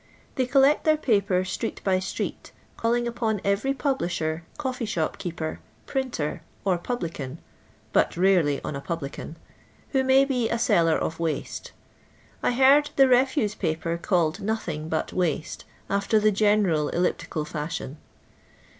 They collect their paper street by street, odling upon CTery publisher, coflee shop keeper, printer, or publican (but rarely on a publican), who may be a seller of " waste." I heard the refuse papiT called nothing but "waste" after the general elliptical fanhion.